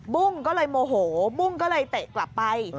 บุ้งก็เลยโมโหบุ้งก็เลยเตะกลับไป